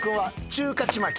中華ちまき。